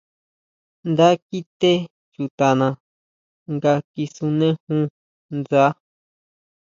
Nda kité chutana nga kisunejún ndsa.